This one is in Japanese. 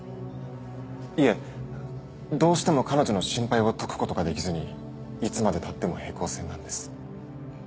いえ。どうしても彼女の心配を解く事ができずにいつまで経っても平行線なんです。